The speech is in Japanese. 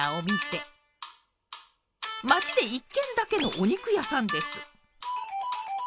町で一軒だけのお肉屋さんです。